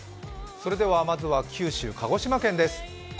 それではまずは九州・鹿児島県です。